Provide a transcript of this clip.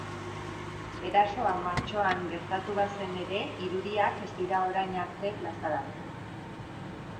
Erasoa martxoan gertatu bazen ere, irudiak ez dira orain arte plazaratu.